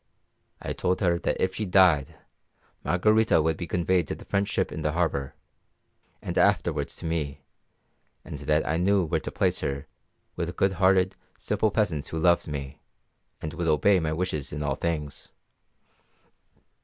I told her that if she died, Margarita would be conveyed to the French ship in the harbour, and afterwards to me, and that I knew where to place her with good hearted, simple peasants who loved me, and would obey my wishes in all things.